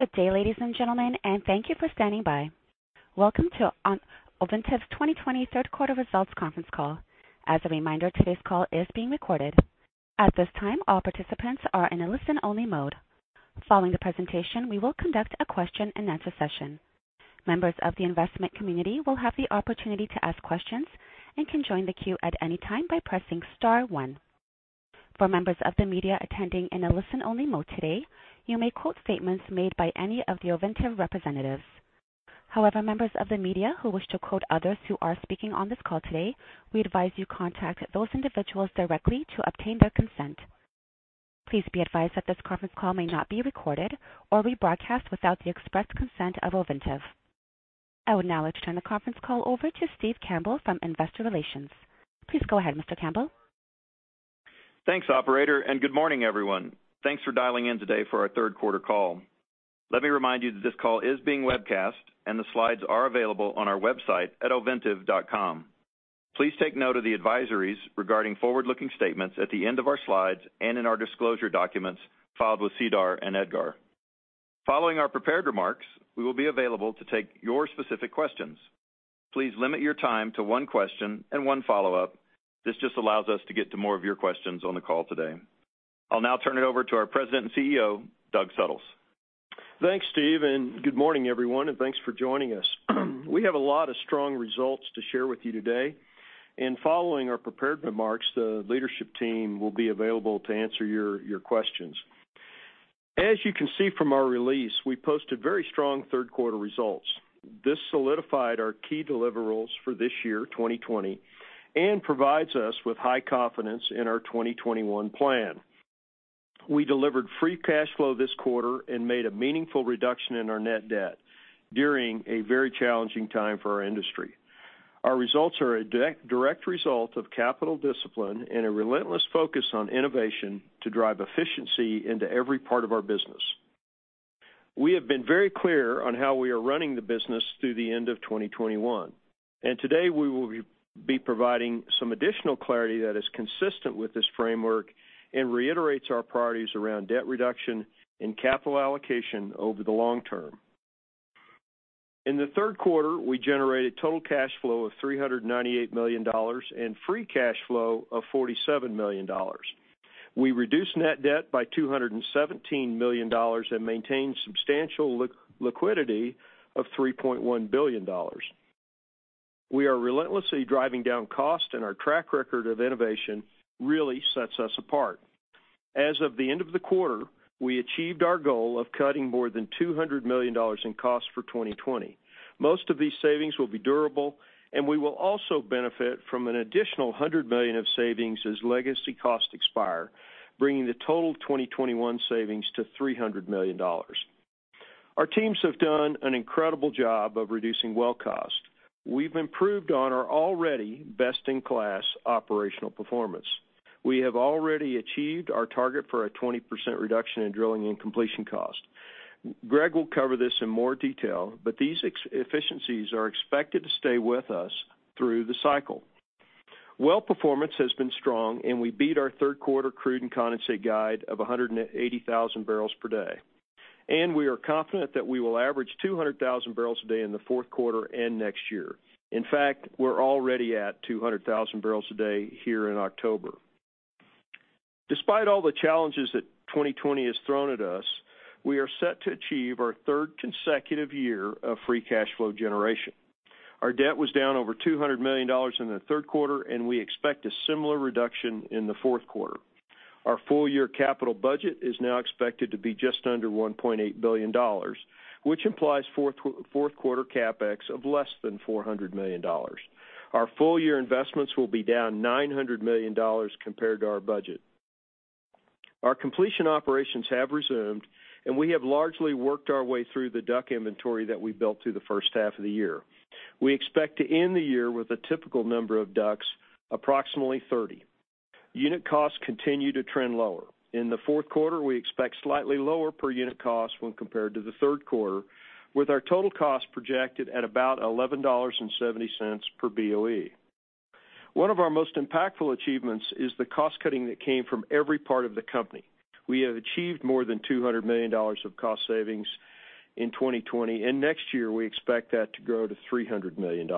Good day, ladies and gentlemen, and thank you for standing by. Welcome to Ovintiv's 2020 third quarter results conference call. As a reminder, today's call is being recorded. At this time, all participants are in a listen-only mode. Following the presentation, we will conduct a question-and-answer session. Members of the investment community will have the opportunity to ask questions and can join the queue at any time by pressing star one. For members of the media attending in a listen-only mode today, you may quote statements made by any of the Ovintiv representatives. However, members of the media who wish to quote others who are speaking on this call today, we advise you contact those individuals directly to obtain their consent. Please be advised that this conference call may not be recorded or rebroadcast without the express consent of Ovintiv. I would now like to turn the conference call over to Steve Campbell from Investor Relations. Please go ahead, Mr. Campbell. Thanks, operator. Good morning, everyone. Thanks for dialing in today for our third quarter call. Let me remind you that this call is being webcast, and the slides are available on our website at ovintiv.com. Please take note of the advisories regarding forward-looking statements at the end of our slides and in our disclosure documents filed with SEDAR and EDGAR. Following our prepared remarks, we will be available to take your specific questions. Please limit your time to one question and one follow-up. This just allows us to get to more of your questions on the call today. I'll now turn it over to our President and Chief Executive Officer, Doug Suttles. Thanks, Steve. Good morning, everyone, and thanks for joining us. We have a lot of strong results to share with you today. Following our prepared remarks, the leadership team will be available to answer your questions. As you can see from our release, we posted very strong third-quarter results. This solidified our key deliverables for this year, 2020, and provides us with high confidence in our 2021 plan. We delivered free cash flow this quarter and made a meaningful reduction in our net debt during a very challenging time for our industry. Our results are a direct result of capital discipline and a relentless focus on innovation to drive efficiency into every part of our business. We have been very clear on how we are running the business through the end of 2021. Today, we will be providing some additional clarity that is consistent with this framework and reiterates our priorities around debt reduction and capital allocation over the long term. In the third quarter, we generated total cash flow of $398 million and free cash flow of $47 million. We reduced net debt by $217 million and maintained substantial liquidity of $3.1 billion. We are relentlessly driving down costs, and our track record of innovation really sets us apart. As of the end of the quarter, we achieved our goal of cutting more than $200 million in costs for 2020. Most of these savings will be durable, and we will also benefit from an additional $100 million of savings as legacy costs expire, bringing the total 2021 savings to $300 million. Our teams have done an incredible job of reducing well cost. We've improved on our already best-in-class operational performance. We have already achieved our target for a 20% reduction in drilling and completion cost. Greg will cover this in more detail. These efficiencies are expected to stay with us through the cycle. Well performance has been strong. We beat our third-quarter crude and condensate guide of 180,000 barrels per day. We are confident that we will average 200,000 barrels a day in the fourth quarter and next year. In fact, we're already at 200,000 barrels a day here in October. Despite all the challenges that 2020 has thrown at us, we are set to achieve our third consecutive year of free cash flow generation. Our debt was down over $200 million in the third quarter. We expect a similar reduction in the fourth quarter. Our full-year capital budget is now expected to be just under $1.8 billion, which implies fourth quarter CapEx of less than $400 million. Our full-year investments will be down $900 million compared to our budget. Our completion operations have resumed, and we have largely worked our way through the DUC inventory that we built through the first half of the year. We expect to end the year with a typical number of DUCs, approximately 30 wells. Unit costs continue to trend lower. In the fourth quarter, we expect slightly lower per-unit cost when compared to the third quarter, with our total cost projected at about $11.70 per BOE. One of our most impactful achievements is the cost-cutting that came from every part of the company. We have achieved more than $200 million of cost savings in 2020, and next year, we expect that to grow to $300 million.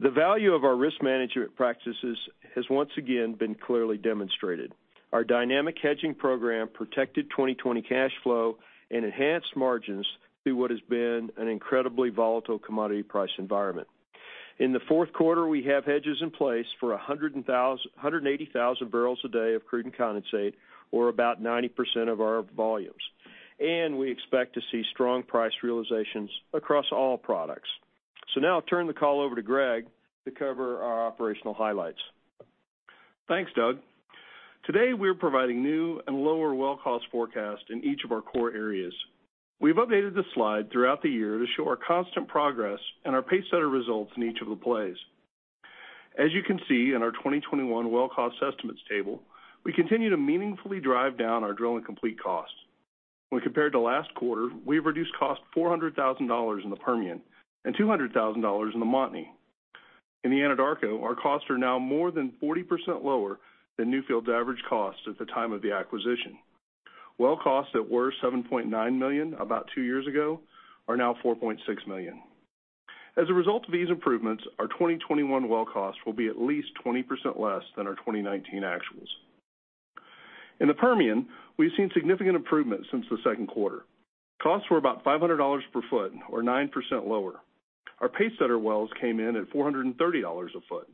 The value of our risk management practices has once again been clearly demonstrated. Our dynamic hedging program protected 2020 cash flow and enhanced margins through what has been an incredibly volatile commodity price environment. In the fourth quarter, we have hedges in place for 180,000 barrels a day of crude and condensate, or about 90% of our volumes. We expect to see strong price realizations across all products. Now I'll turn the call over to Greg to cover our operational highlights. Thanks, Doug. Today, we're providing new and lower well cost forecast in each of our core areas. We've updated this slide throughout the year to show our constant progress and our pacesetter results in each of the plays. As you can see in our 2021 well cost estimates table, we continue to meaningfully drive down our drill and complete costs. When compared to last quarter, we've reduced cost $400,000 in the Permian and $200,000 in the Montney. In the Anadarko, our costs are now more than 40% lower than Newfield's average cost at the time of the acquisition. Well costs that were $7.9 million about two years ago are now $4.6 million. As a result of these improvements, our 2021 well costs will be at least 20% less than our 2019 actuals. In the Permian, we've seen significant improvements since the second quarter. Costs were about $500 per foot, or 9% lower. Our pacesetter wells came in at $430 a foot.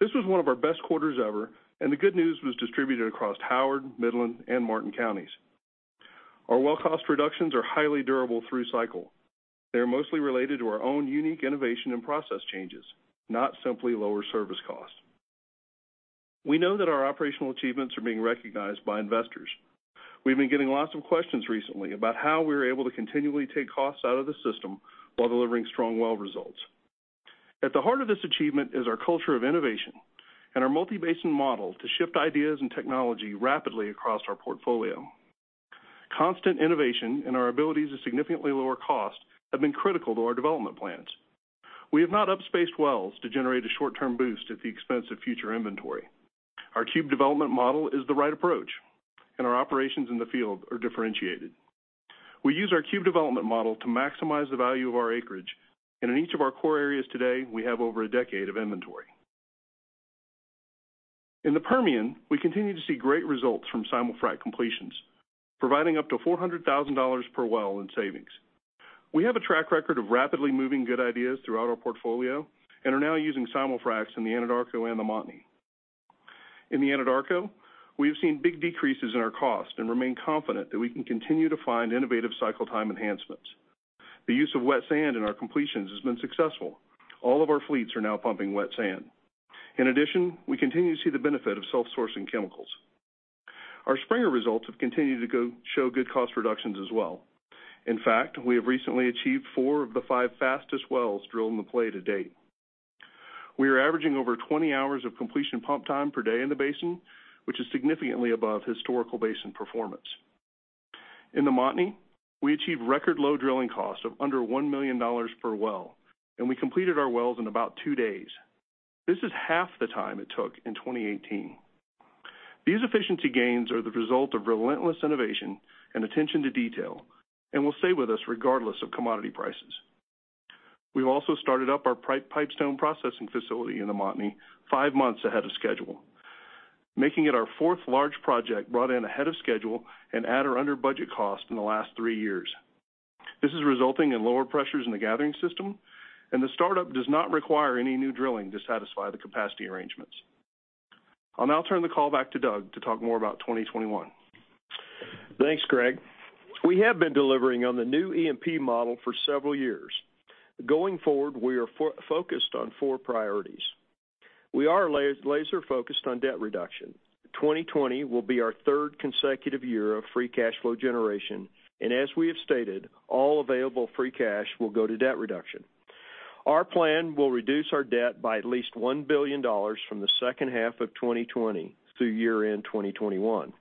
This was one of our best quarters ever, and the good news was distributed across Howard, Midland, and Martin counties. Our well cost reductions are highly durable through cycle. They're mostly related to our own unique innovation and process changes, not simply lower service costs. We know that our operational achievements are being recognized by investors. We've been getting lots of questions recently about how we're able to continually take costs out of the system while delivering strong well results. At the heart of this achievement is our culture of innovation and our multi-basin model to shift ideas and technology rapidly across our portfolio. Constant innovation and our ability to significantly lower costs have been critical to our development plans. We have not up-spaced wells to generate a short-term boost at the expense of future inventory. Our cube development model is the right approach, and our operations in the field are differentiated. We use our cube development model to maximize the value of our acreage, and in each of our core areas today, we have over a decade of inventory. In the Permian, we continue to see great results from simul frac completions, providing up to $400,000 per well in savings. We have a track record of rapidly moving good ideas throughout our portfolio and are now using simul fracs in the Anadarko and the Montney. In the Anadarko, we have seen big decreases in our cost and remain confident that we can continue to find innovative cycle time enhancements. The use of wet sand in our completions has been successful. All of our fleets are now pumping wet sand. In addition, we continue to see the benefit of self-sourcing chemicals. Our Springer results have continued to show good cost reductions as well. In fact, we have recently achieved four of the five fastest wells drilled in the play to date. We are averaging over 20 hours of completion pump time per day in the basin, which is significantly above historical basin performance. In the Montney, we achieved record low drilling costs of under $1 million per well, and we completed our wells in about two days. This is half the time it took in 2018. These efficiency gains are the result of relentless innovation and attention to detail and will stay with us regardless of commodity prices. We've also started up our Pipestone processing facility in the Montney five months ahead of schedule, making it our fourth large project brought in ahead of schedule and at or under budget cost in the last three years. This is resulting in lower pressures in the gathering system, and the startup does not require any new drilling to satisfy the capacity arrangements. I'll now turn the call back to Doug to talk more about 2021. Thanks, Greg. We have been delivering on the new E&P model for several years. Going forward, we are focused on four priorities. We are laser-focused on debt reduction. 2020 will be our third consecutive year of free cash flow generation, and as we have stated, all available free cash will go to debt reduction. Our plan will reduce our debt by at least $1 billion from the second half of 2020 through year-end 2021.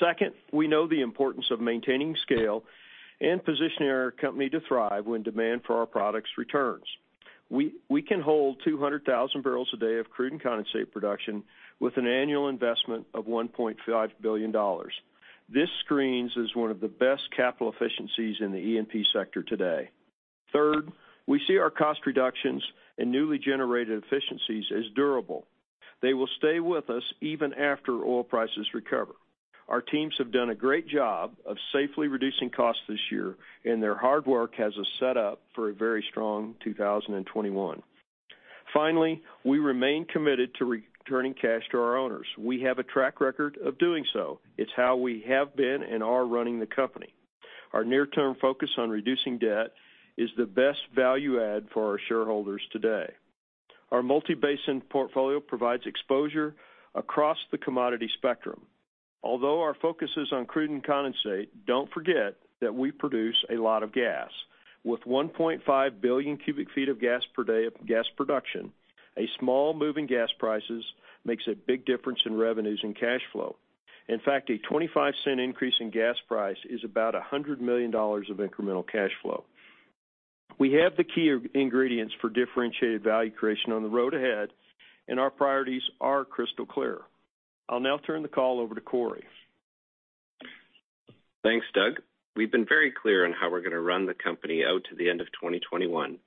Second, we know the importance of maintaining scale and positioning our company to thrive when demand for our products returns. We can hold 200,000 barrels a day of crude and condensate production with an annual investment of $1.5 billion. This screens as one of the best capital efficiencies in the E&P sector today. Third, we see our cost reductions and newly generated efficiencies as durable. They will stay with us even after oil prices recover. Our teams have done a great job of safely reducing costs this year, and their hard work has us set up for a very strong 2021. Finally, we remain committed to returning cash to our owners. We have a track record of doing so. It's how we have been and are running the company. Our near-term focus on reducing debt is the best value add for our shareholders today. Our multi-basin portfolio provides exposure across the commodity spectrum. Although our focus is on crude and condensate, don't forget that we produce a lot of gas. With 1.5 billion cu ft of gas per day of gas production, a small move in gas prices makes a big difference in revenues and cash flow. In fact, a $0.25 increase in gas price is about $100 million of incremental cash flow. We have the key ingredients for differentiated value creation on the road ahead, and our priorities are crystal clear. I'll now turn the call over to Corey. Thanks, Doug. We've been very clear on how we're going to run the company out to the end of 2021,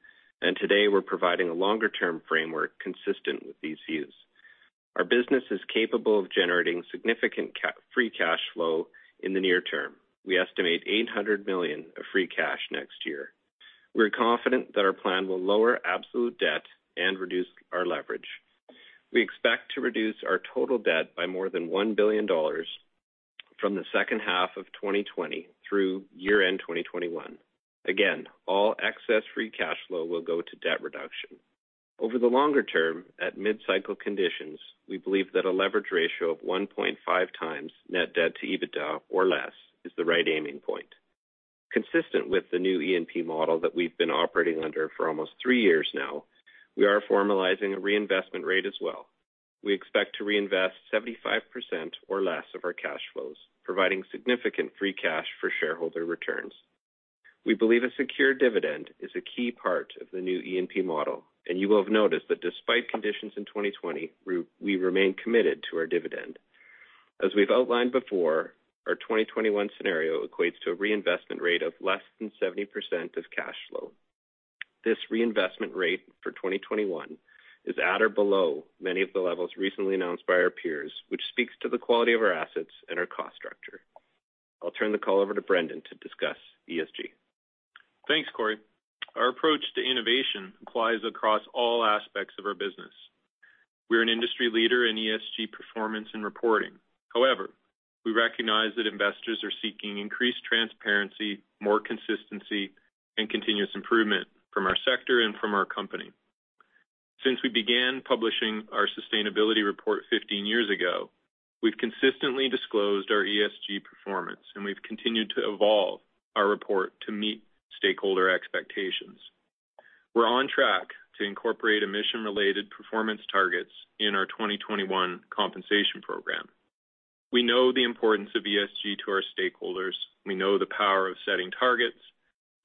and today we're providing a longer-term framework consistent with these views. Our business is capable of generating significant free cash flow in the near term. We estimate $800 million of free cash next year. We're confident that our plan will lower absolute debt and reduce our leverage. We expect to reduce our total debt by more than $1 billion from the second half of 2020 through year-end 2021. Again, all excess free cash flow will go to debt reduction. Over the longer term, at mid-cycle conditions, we believe that a leverage ratio of 1.5x net debt to EBITDA or less is the right aiming point. Consistent with the new E&P model that we've been operating under for almost three years now, we are formalizing a reinvestment rate as well. We expect to reinvest 75% or less of our cash flows, providing significant free cash for shareholder returns. We believe a secure dividend is a key part of the new E&P model, and you will have noticed that despite conditions in 2020, we remain committed to our dividend. As we've outlined before, our 2021 scenario equates to a reinvestment rate of less than 70% of cash flow. This reinvestment rate for 2021 is at or below many of the levels recently announced by our peers, which speaks to the quality of our assets and our cost structure. I'll turn the call over to Brendan to discuss ESG. Thanks, Corey. Our approach to innovation applies across all aspects of our business. We're an industry leader in ESG performance and reporting. We recognize that investors are seeking increased transparency, more consistency, and continuous improvement from our sector and from our company. Since we began publishing our sustainability report 15 years ago, we've consistently disclosed our ESG performance, and we've continued to evolve our report to meet stakeholder expectations. We're on track to incorporate emission-related performance targets in our 2021 compensation program. We know the importance of ESG to our stakeholders, we know the power of setting targets,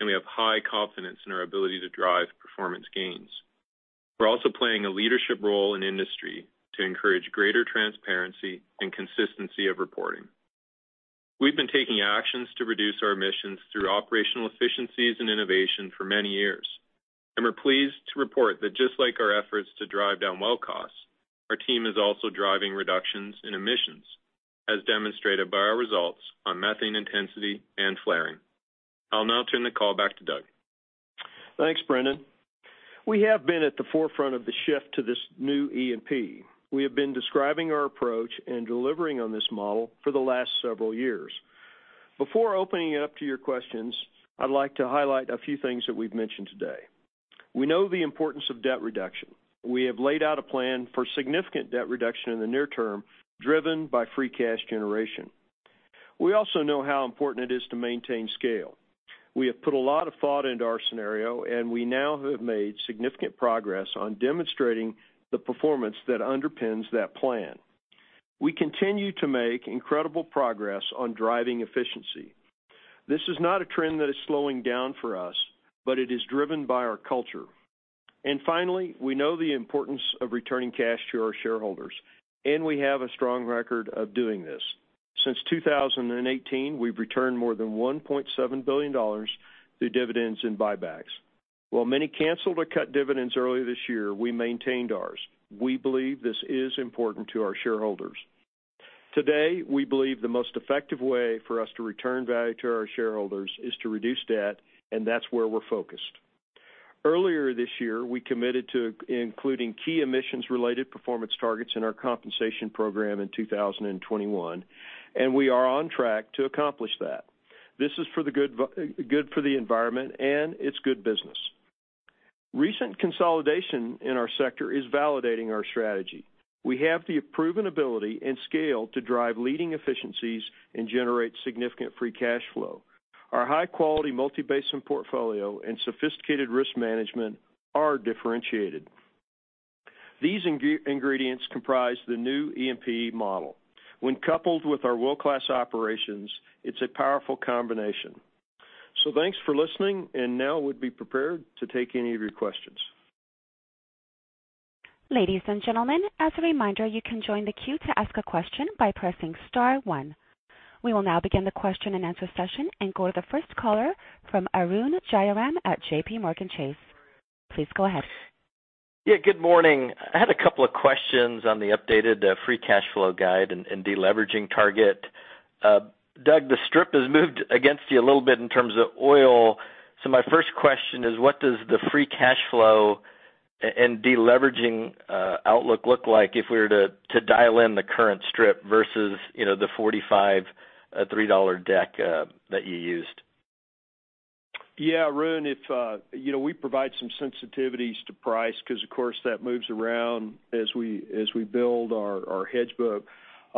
and we have high confidence in our ability to drive performance gains. We're also playing a leadership role in industry to encourage greater transparency and consistency of reporting. We've been taking actions to reduce our emissions through operational efficiencies and innovation for many years, and we're pleased to report that just like our efforts to drive down well costs, our team is also driving reductions in emissions, as demonstrated by our results on methane intensity and flaring. I'll now turn the call back to Doug. Thanks, Brendan. We have been at the forefront of the shift to this new E&P. We have been describing our approach and delivering on this model for the last several years. Before opening it up to your questions, I'd like to highlight a few things that we've mentioned today. We know the importance of debt reduction. We have laid out a plan for significant debt reduction in the near term, driven by free cash generation. We also know how important it is to maintain scale. We have put a lot of thought into our scenario, and we now have made significant progress on demonstrating the performance that underpins that plan. We continue to make incredible progress on driving efficiency. This is not a trend that is slowing down for us, but it is driven by our culture. Finally, we know the importance of returning cash to our shareholders, and we have a strong record of doing this. Since 2018, we've returned more than $1.7 billion through dividends and buybacks. While many canceled or cut dividends early this year, we maintained ours. We believe this is important to our shareholders. Today, we believe the most effective way for us to return value to our shareholders is to reduce debt, and that's where we're focused. Earlier this year, we committed to including key emissions-related performance targets in our compensation program in 2021, and we are on track to accomplish that. This is good for the environment, and it's good business. Recent consolidation in our sector is validating our strategy. We have the proven ability and scale to drive leading efficiencies and generate significant free cash flow. Our high-quality multi-basin portfolio and sophisticated risk management are differentiated. These ingredients comprise the new E&P model. When coupled with our world-class operations, it's a powerful combination. Thanks for listening, and now we'd be prepared to take any of your questions. Ladies and gentlemen, as a reminder, you can join the queue to ask a question by pressing star one. We will now begin the question and answer session and go to the first caller from Arun Jayaram at JPMorgan Chase. Please go ahead. Yeah, good morning. I had a couple of questions on the updated free cash flow guide and deleveraging target. Doug, the strip has moved against you a little bit in terms of oil. My first question is, what does the free cash flow and deleveraging outlook look like if we were to dial in the current strip versus the $45, $3 deck that you used? Yeah, Arun. We provide some sensitivities to price because, of course, that moves around as we build our hedge book.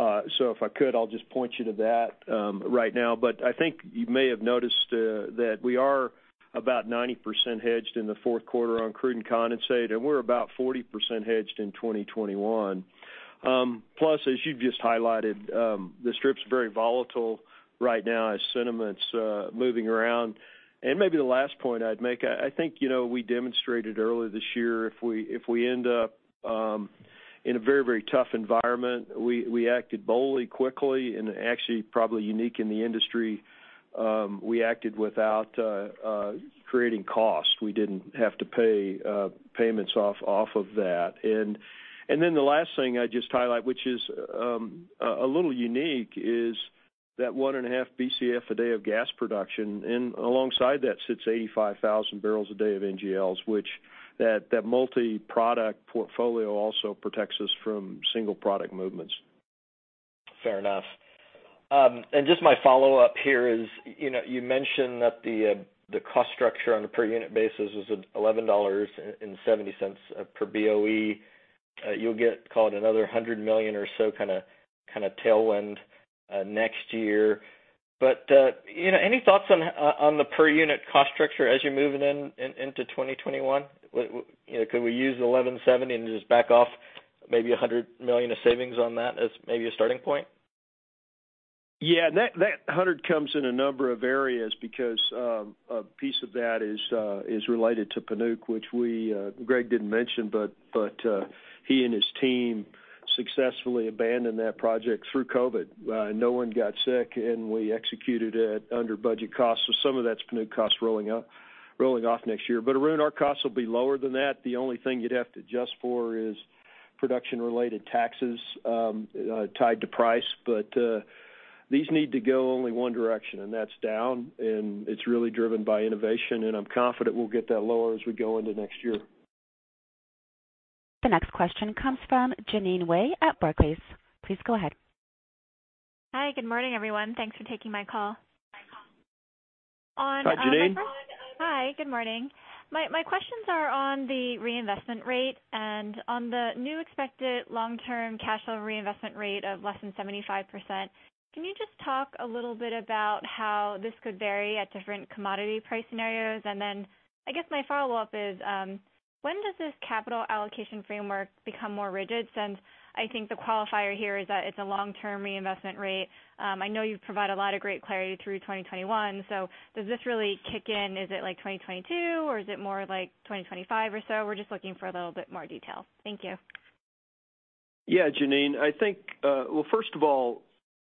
If I could, I'll just point you to that right now. I think you may have noticed that we are about 90% hedged in the fourth quarter on crude and condensate, and we're about 40% hedged in 2021. Plus, as you've just highlighted, the strip's very volatile right now as sentiment's moving around. Maybe the last point I'd make, I think we demonstrated earlier this year, if we end up in a very tough environment, we acted boldly, quickly, and actually probably unique in the industry, we acted without creating cost. We didn't have to pay payments off of that. Then the last thing I'd just highlight, which is a little unique, is that 1.5 billion cu ft a day of gas production, and alongside that sits 85,000 barrels a day of NGLs, which that multi-product portfolio also protects us from single product movements. Fair enough. Just my follow-up here is, you mentioned that the cost structure on a per unit basis was $11.70 per BOE. You'll get called another $100 million or so kind of tailwind next year. Any thoughts on the per unit cost structure as you're moving into 2021? Could we use $11.70 and just back off maybe $100 million of savings on that as maybe a starting point? Yeah. That 100 comes in a number of areas because a piece of that is related to Panuke, which Greg didn't mention, but he and his team successfully abandoned that project through COVID. No one got sick, and we executed it under budget cost. Some of that's Panuke costs rolling off next year. Arun, our costs will be lower than that. The only thing you'd have to adjust for is production-related taxes tied to price. These need to go only one direction, and that's down, and it's really driven by innovation, and I'm confident we'll get that lower as we go into next year. The next question comes from Jeanine Wai at Barclays. Please go ahead. Hi. Good morning, everyone. Thanks for taking my call. Hi, Jeanine. Hi. Good morning. My questions are on the reinvestment rate and on the new expected long-term cash flow reinvestment rate of less than 75%. Can you just talk a little bit about how this could vary at different commodity price scenarios? I guess my follow-up is, when does this capital allocation framework become more rigid? Since I think the qualifier here is that it's a long-term reinvestment rate. I know you've provided a lot of great clarity through 2021. Does this really kick in? Is it 2022, or is it more like 2025 or so? We're just looking for a little bit more detail. Thank you. Yeah, Jeanine. Well, first of all,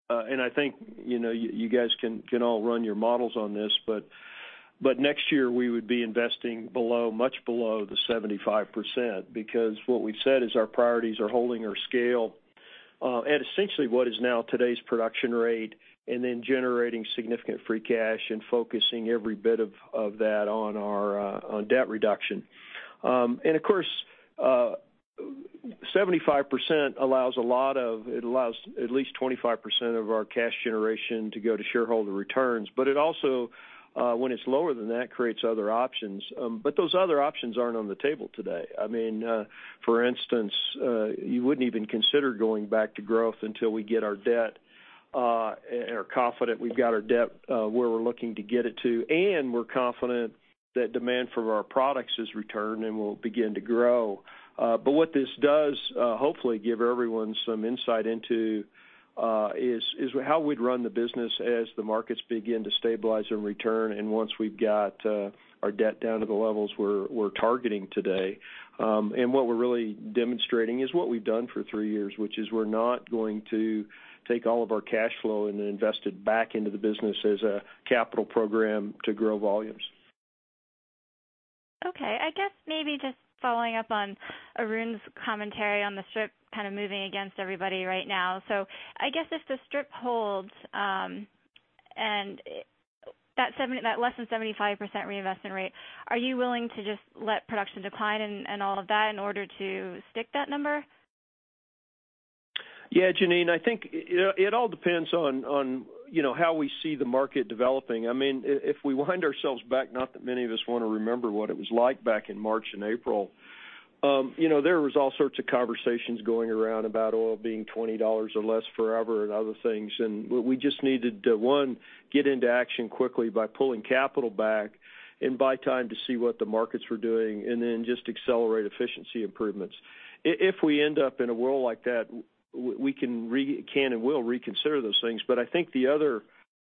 and I think you guys can all run your models on this, but next year, we would be investing much below the 75%, because what we've said is our priorities are holding our scale at essentially what is now today's production rate and then generating significant free cash and focusing every bit of that on debt reduction. Of course, 75% allows at least 25% of our cash generation to go to shareholder returns. It also, when it's lower than that, creates other options. Those other options aren't on the table today. For instance, you wouldn't even consider going back to growth until we get our debt and are confident we've got our debt where we're looking to get it to, and we're confident that demand for our products has returned and will begin to grow. What this does hopefully give everyone some insight into is how we'd run the business as the markets begin to stabilize and return, and once we've got our debt down to the levels we're targeting today. What we're really demonstrating is what we've done for three years, which is we're not going to take all of our cash flow and invest it back into the business as a capital program to grow volumes. Okay. I guess maybe just following up on Arun's commentary on the strip kind of moving against everybody right now. I guess if the strip holds and that less than 75% reinvestment rate, are you willing to just let production decline and all of that in order to stick that number? Yeah, Jeanine. I think it all depends on how we see the market developing. If we wind ourselves back, not that many of us want to remember what it was like back in March and April, there was all sorts of conversations going around about oil being $20 or less forever and other things. We just needed to, one, get into action quickly by pulling capital back and buy time to see what the markets were doing and then just accelerate efficiency improvements. If we end up in a world like that, we can and will reconsider those things. I think the other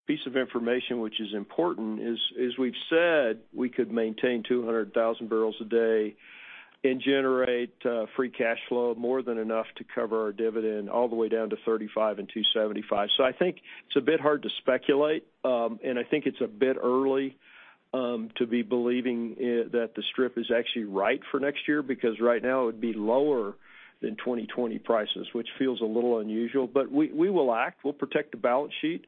piece of information which is important is, as we've said, we could maintain 200,000 barrels a day and generate free cash flow more than enough to cover our dividend all the way down to $35 and $2.75. I think it's a bit hard to speculate, and I think it's a bit early to be believing that the strip is actually right for next year, because right now it would be lower than 2020 prices, which feels a little unusual. We will act. We'll protect the balance sheet.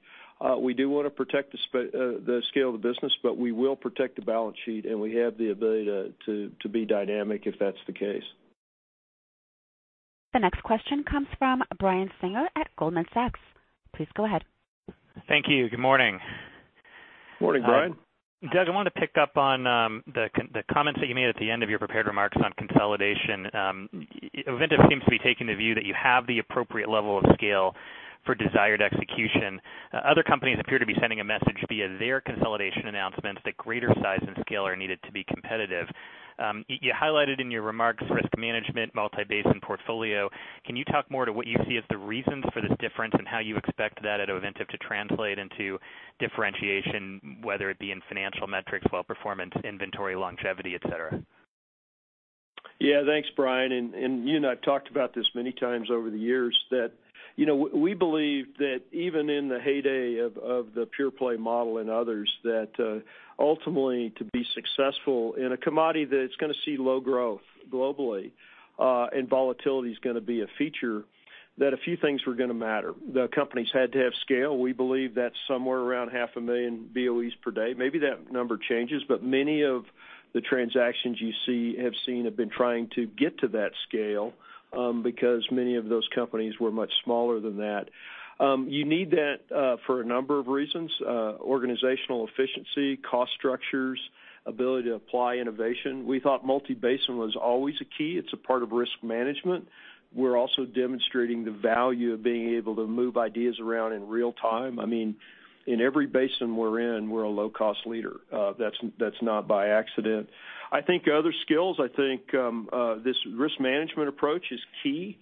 We do want to protect the scale of the business, but we will protect the balance sheet, and we have the ability to be dynamic if that's the case. The next question comes from Brian Singer at Goldman Sachs. Please go ahead. Thank you. Good morning. Morning, Brian. Doug, I wanted to pick up on the comments that you made at the end of your prepared remarks on consolidation. Ovintiv seems to be taking the view that you have the appropriate level of scale for desired execution. Other companies appear to be sending a message via their consolidation announcements that greater size and scale are needed to be competitive. You highlighted in your remarks risk management, multi-basin portfolio. Can you talk more to what you see as the reasons for this difference and how you expect that at Ovintiv to translate into differentiation, whether it be in financial metrics, well performance, inventory longevity, et cetera? Yeah. Thanks, Brian. You and I have talked about this many times over the years that we believe that even in the heyday of the pure-play model and others, that ultimately to be successful in a commodity that's going to see low growth globally, and volatility is going to be a feature, that a few things were going to matter. The companies had to have scale. We believe that's 500,000 Barrels of Oil Equivalent per day. Maybe that number changes, but many of the transactions you have seen have been trying to get to that scale because many of those companies were much smaller than that. You need that for a number of reasons. Organizational efficiency, cost structures, ability to apply innovation. We thought multi-basin was always a key. It's a part of risk management. We're also demonstrating the value of being able to move ideas around in real time. In every basin we're in, we're a low-cost leader. That's not by accident. I think other skills, I think this risk management approach is key.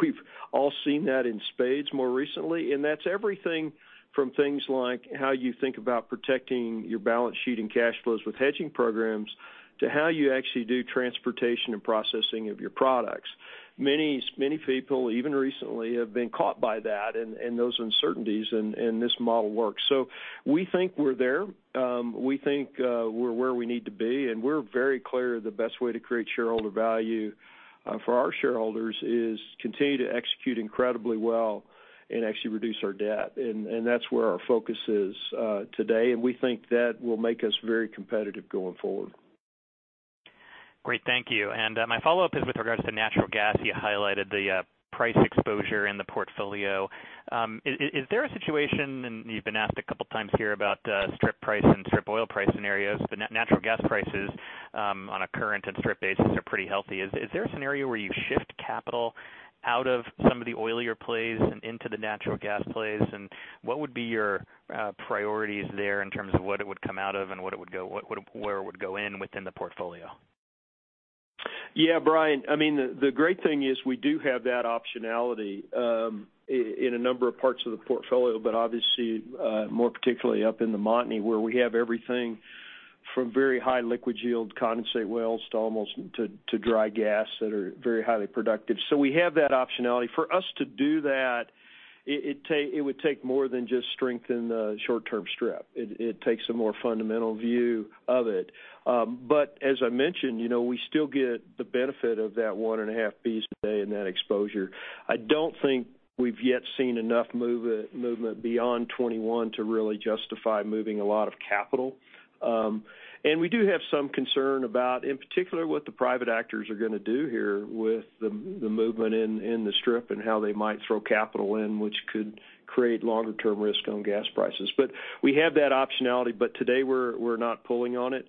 We've all seen that in spades more recently. That's everything from things like how you think about protecting your balance sheet and cash flows with hedging programs, to how you actually do transportation and processing of your products. Many people, even recently, have been caught by that and those uncertainties. This model works. We think we're there. We think we're where we need to be. We're very clear the best way to create shareholder value for our shareholders is continue to execute incredibly well and actually reduce our debt. That's where our focus is today, and we think that will make us very competitive going forward. Great, thank you. My follow-up is with regards to natural gas. You highlighted the price exposure in the portfolio. Is there a situation, and you've been asked a couple of times here about strip price and strip oil price scenarios, but natural gas prices on a current and strip basis are pretty healthy. Is there a scenario where you shift capital out of some of the oilier plays and into the natural gas plays? What would be your priorities there in terms of what it would come out of and where it would go in within the portfolio? Brian. The great thing is we do have that optionality in a number of parts of the portfolio, but obviously, more particularly up in the Montney, where we have everything from very high liquid yield condensate wells to dry gas that are very highly productive. We have that optionality. For us to do that, it would take more than just strengthen the short-term strip. It takes a more fundamental view of it. As I mentioned, we still get the benefit of that 1.5 billion cu ft today in that exposure. I don't think we've yet seen enough movement beyond 2021 to really justify moving a lot of CapEx. We do have some concern about, in particular, what the private actors are going to do here with the movement in the strip and how they might throw capital in, which could create longer-term risk on gas prices. We have that optionality, but today we're not pulling on it.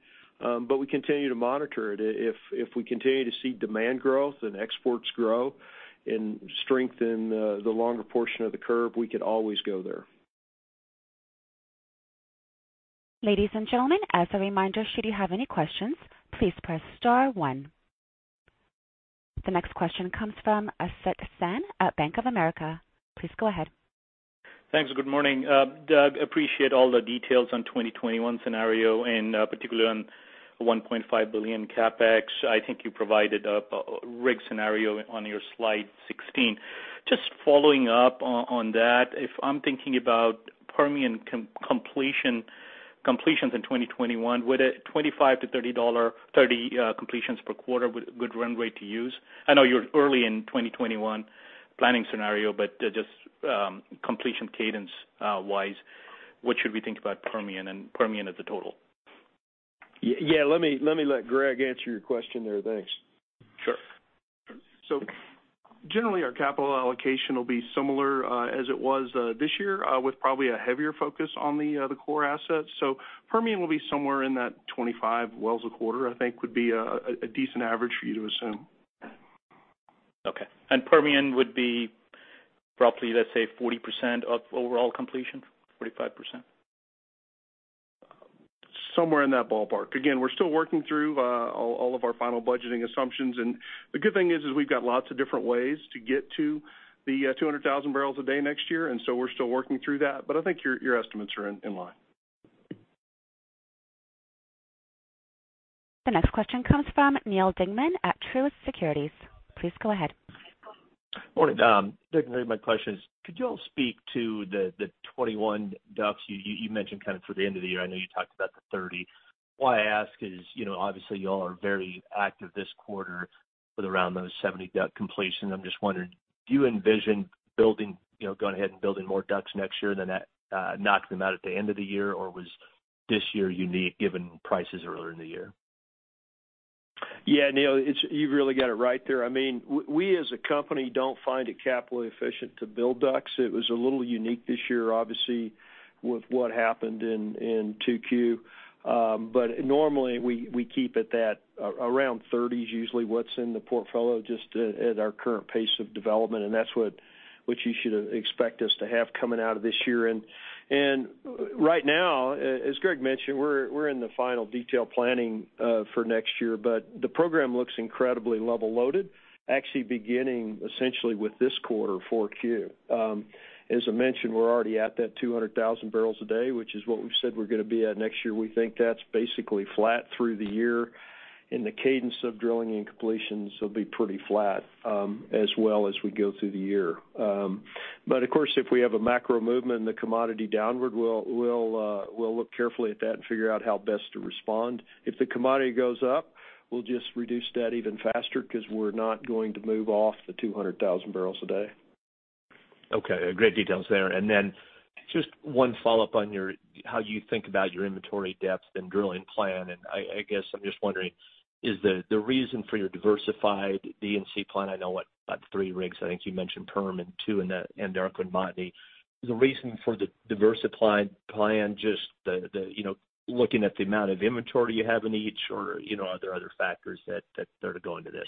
We continue to monitor it. If we continue to see demand growth and exports grow, and strengthen the longer portion of the curve, we could always go there. Ladies and gentlemen, as a reminder, should you have any questions, please press star one. The next question comes from Asit Sen at Bank of America. Please go ahead. Thanks. Good morning. Doug, appreciate all the details on 2021 scenario, and particularly on the $1.5 billion CapEx. I think you provided a rig scenario on your Slide 16. Just following up on that, if I'm thinking about Permian completions in 2021, would a 25 wells-30 wells completions per quarter would a good runway to use? I know you're early in 2021 planning scenario, but just completion cadence-wise, what should we think about Permian as a total? Yeah, let me let Greg answer your question there. Thanks. Sure. Generally, our capital allocation will be similar as it was this year, with probably a heavier focus on the core assets. Permian will be somewhere in that $25 wells a quarter, I think would be a decent average for you to assume. Okay. Permian would be roughly, let's say, 40% of overall completion? 45%? Somewhere in that ballpark. Again, we're still working through all of our final budgeting assumptions, and the good thing is we've got lots of different ways to get to the 200,000 barrels a day next year. We're still working through that, but I think your estimates are in line. The next question comes from Neal Dingmann at Truist Securities. Please go ahead. Morning. Doug and Greg, my question is, could you all speak to the 2021 DUCs you mentioned for the end of the year? I know you talked about the 30 wells. Why I ask is, obviously, you all are very active this quarter with around those 70 DUC completions. I'm just wondering, do you envision going ahead and building more DUCs next year, then knocking them out at the end of the year? Was this year unique given prices earlier in the year? Yeah, Neal, you've really got it right there. We as a company don't find it capitally efficient to build DUC. It was a little unique this year, obviously, with what happened in 2Q. Normally we keep it at that. Around 30 wells is usually what's in the portfolio just at our current pace of development, that's what you should expect us to have coming out of this year. Right now, as Greg mentioned, we're in the final detail planning for next year, the program looks incredibly level loaded, actually beginning essentially with this quarter, 4Q. As I mentioned, we're already at that 200,000 barrels a day, which is what we've said we're going to be at next year. We think that's basically flat through the year, the cadence of drilling and completions will be pretty flat as well as we go through the year. Of course, if we have a macro movement in the commodity downward, we'll look carefully at that and figure out how best to respond. If the commodity goes up, we'll just reduce that even faster because we're not going to move off the 200,000 barrels a day. Okay, great details there. Just one follow-up on how you think about your inventory depth and drilling plan, I guess I'm just wondering, is the reason for your diversified D&C plan, I know what, about three rigs, I think you mentioned Permian too, and Anadarko and Montney. Is the reason for the diversified plan, just looking at the amount of inventory you have in each, or are there other factors that are to go into this?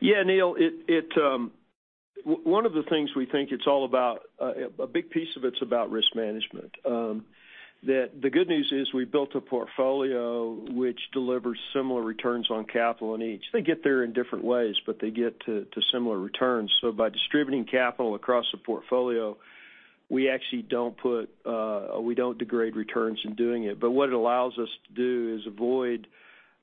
Yeah, Neal, one of the things we think it's all about, a big piece of it's about risk management. The good news is we built a portfolio which delivers similar returns on capital in each. They get there in different ways, but they get to similar returns. By distributing capital across the portfolio, we actually don't degrade returns in doing it. What it allows us to do is avoid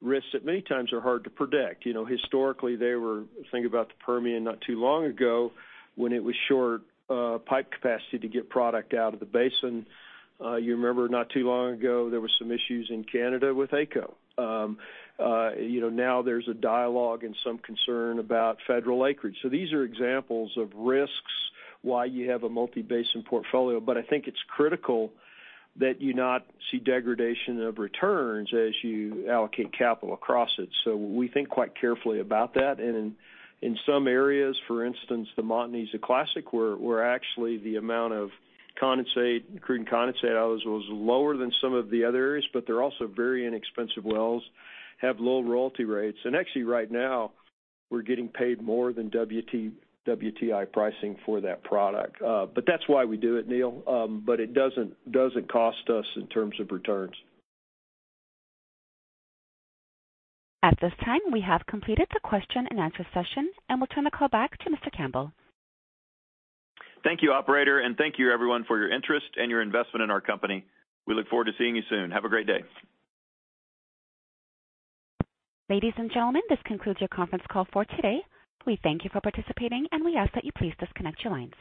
risks that many times are hard to predict. Historically, they were, think about the Permian not too long ago, when it was short pipe capacity to get product out of the basin. You remember not too long ago, there were some issues in Canada with AECO. There's a dialogue and some concern about federal acreage. These are examples of risks, why you have a multi-basin portfolio. I think it's critical that you not see degradation of returns as you allocate capital across it. We think quite carefully about that. In some areas, for instance, the Montney's a classic, where actually the amount of condensate, crude and condensate out was lower than some of the other areas, but they're also very inexpensive wells, have low royalty rates. Actually right now, we're getting paid more than WTI pricing for that product. That's why we do it, Neal. It doesn't cost us in terms of returns. At this time, we have completed the question and answer session, and we'll turn the call back to Mr. Campbell. Thank you, operator, and thank you everyone for your interest and your investment in our company. We look forward to seeing you soon. Have a great day. Ladies and gentlemen, this concludes your conference call for today. We thank you for participating, and we ask that you please disconnect your lines.